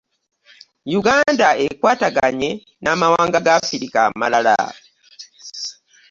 Uganda ekwataganye n'amawaga ga Afirika amalala.